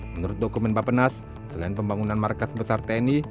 menurut dokumen bapak penas selain pembangunan markas besar tni